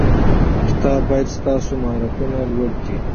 کتاب باید ستاسو مهارتونه لوړ کړي.